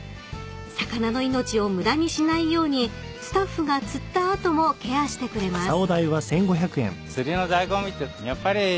［魚の命を無駄にしないようにスタッフが釣った後もケアしてくれます］